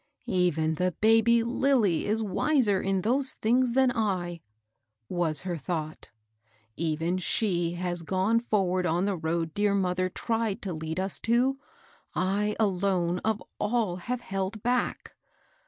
" Even the baby Lilly*^ is wiser in those things than 1 1 " was her thought ;" even she has gone forward on the roa4 dear mother tried to lead us to ; I alone, of all, have held back.